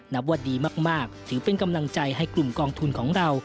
นับว่าดีมากถือเป็นกำลังใจให้กลุ่มกองทุนของเรา